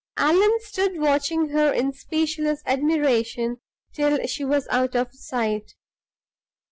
Allan stood watching her in speechless admiration till she was out of sight.